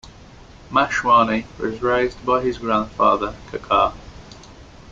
Mashwani was raised by his grandfather Kakar.